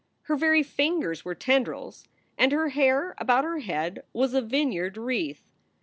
Her very fingers were tendrils and her hair about her head was a vineyard wreath.